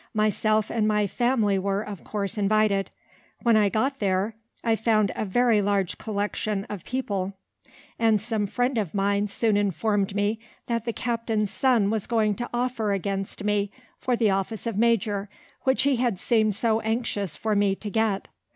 Myself and my family were, of course, invited. When I got there, I found a very large collection of people, and some friend of mine soon informed me that the captain's son was going to offer against me for the office of major, which he had seemed so anxious for me to get.